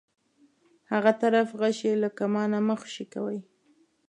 هغه طرف غشی له کمانه مه خوشی کوئ.